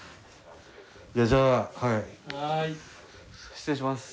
失礼します。